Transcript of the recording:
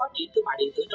vẫn giữ trì ổn định